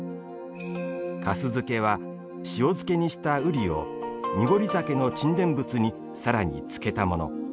かす漬けは、塩漬けにした瓜を濁り酒の沈殿物にさらに漬けたもの。